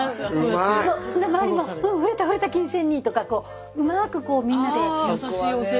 周りも「うん触れた触れたきんせんに」とかうまくこうみんなで。